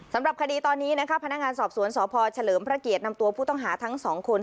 สำหรับคดีตอนนี้นะคะพนักงานสอบสวนสพเฉลิมพระเกียรตินำตัวผู้ต้องหาทั้งสองคน